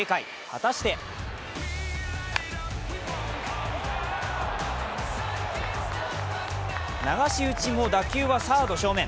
果たして流し打ちも打球はサード正面。